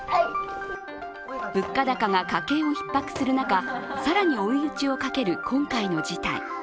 物価高が家計をひっ迫する中更に追い打ちをかける今回の事態。